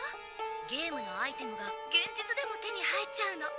ゲームのアイテムが現実でも手に入っちゃうの。